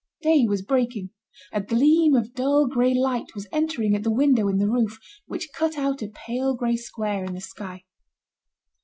Day was breaking. A gleam of dull, grey light was entering at the window in the roof which cut out a pale grey square in the sky.